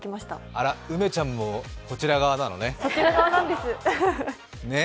あらっ、梅ちゃんもこちら側なのね。